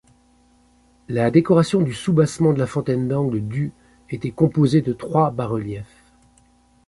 La décoration du soubassement de la fontaine d'angle du était composée de trois bas-reliefs.